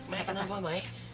mak e kenapa mak e